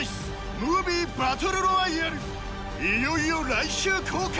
いよいよ来週公開！